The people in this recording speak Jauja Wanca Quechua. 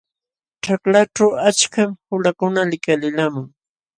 Ćhaklaćhu achkam qulakuna likalilqamun.